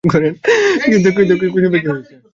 কিন্তু কুসুমের কী হইয়াছে?